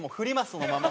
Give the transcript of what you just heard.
そのまま。